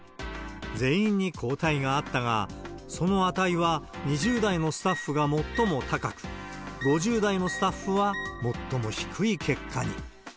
全員に抗体があったが、その値は２０代のスタッフが最も高く、５０代のスタッフは最も低い結果に。